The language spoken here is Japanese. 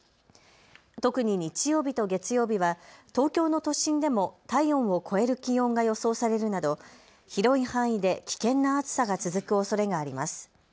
特に日曜日と月曜日は東京の都心でも体温を超える気温が予想されるなど広い範囲で危険な暑さが続くおそれがあります。